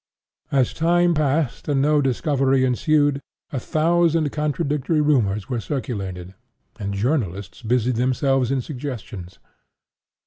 As time passed and no discovery ensued, a thousand contradictory rumors were circulated, and journalists busied themselves in suggestions.